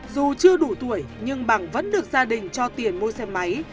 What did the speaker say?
dù chưa đủ tuổi nhưng bằng vẫn được gia đình cho tiền mua xe máy